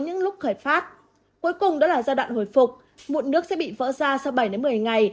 những lúc khởi phát cuối cùng đó là giai đoạn hồi phục mụn nước sẽ bị vỡ ra sau bảy đến một mươi ngày